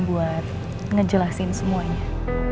buat ngejelasin semuanya